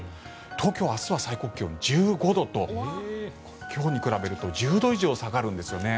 東京、明日は最高気温１５度と今日に比べると１０度以上下がるんですよね。